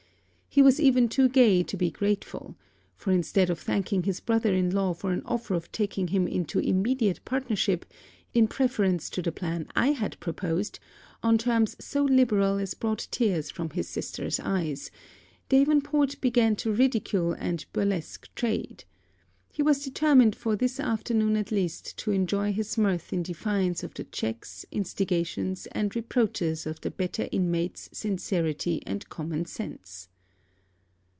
He was even too gay to be grateful; for, instead of thanking his brother in law for an offer of taking him into immediate partnership, in preference to the plan I had proposed, on terms so liberal as brought tears from his sister's eyes, Davenport began to ridicule and burlesque trade. He was determined for this afternoon at least to enjoy his mirth in defiance of the checks, instigations, or reproaches of the better inmates sincerity and common sense.